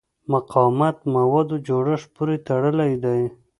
مقاومت د موادو جوړښت پورې تړلی دی.